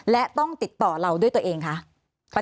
และต้องติดต่อเราด้วยตัวเองคะ